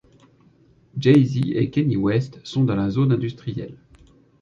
Jay-Z et Kanye West sont dans une zone industrielle.